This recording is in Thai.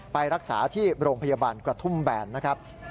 ไปรักษาที่โรงพยาบาลกระทุ่มแบนนะครับ